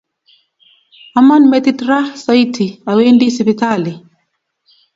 Aman metit raa saiti awendi sipitali